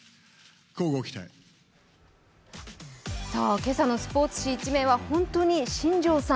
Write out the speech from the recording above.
今朝のスポーツ紙一面は本当に新庄さん